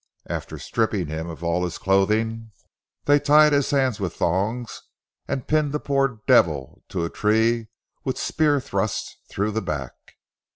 After stripping him of all his clothing, they tied his hands with thongs, and pinned the poor devil to a tree with spear thrusts through the back.